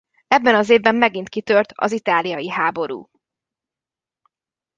Ebben az évben megint kitört az itáliai háború.